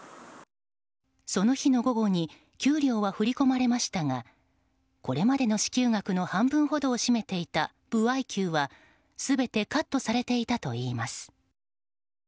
その日の午後に給料は振り込まれましたがこれまでの支給額の半分ほどを占めていた歩合給は全てカットされていたといいます。